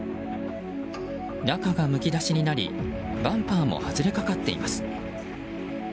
中がむき出しになりバンパーも外れかかっています。